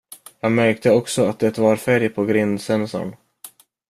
Jag märkte också att det var färg på grindsensorn.